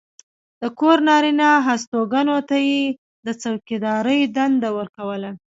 د کور نارینه هستوګنو ته یې د څوکېدارۍ دنده ورکوله.